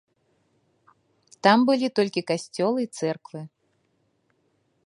Там былі толькі касцёлы і цэрквы.